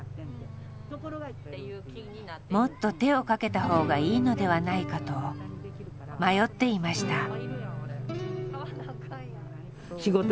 もっと手をかけた方がいいのではないかと迷っていました。